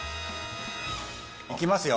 行きますよ！